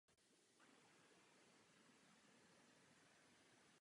Zbarvení těla je světle zelené.